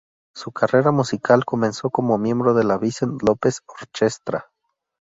Su carrera musical comenzó como miembro de la Vincent Lopez Orchestra.